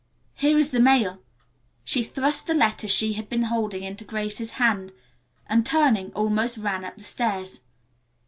Here is the mail." She thrust the letters she had been holding into Grace's hand, and, turning, almost ran up the stairs.